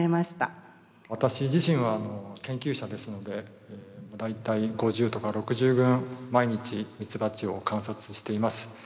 私自身は研究者ですので大体５０とか６０ぶん毎日ミツバチを観察しています。